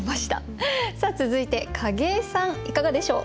さあ続いて景井さんいかがでしょう？